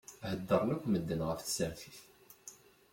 Heddṛen akk medden ɣef tsertit.